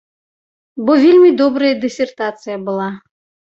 Бо вельмі добрая дысертацыя была.